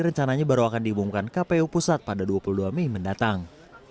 rencananya baru akan diumumkan kpu pusat pada dua puluh dua mei mendatang